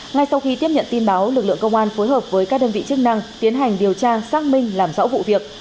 ngay sau khi tiếp nhận tin báo lực lượng công an phối hợp với các đơn vị chức năng tiến hành điều tra xác minh làm rõ vụ việc